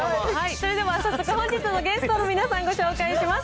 それでは早速、本日のゲストの皆さん、ご紹介します。